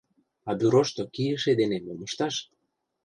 А «Бюрошто» кийыше дене мом ышташ?